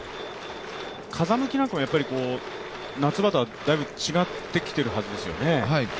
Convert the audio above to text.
風向きなんかも、夏場とはだいぶ違ってきているはずですよね。